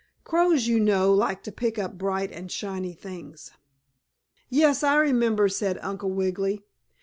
"Crows, you know, like to pick up bright and shining things." "Yes, I remember," said Uncle Wiggily.